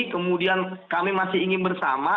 kemudian kami masih ingin bersama